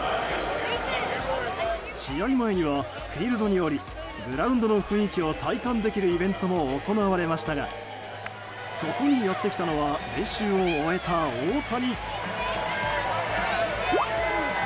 試合前にはフィールドに降りグラウンドの雰囲気を体感できるイベントも行われましたがそこにやってきたのは練習を終えた大谷。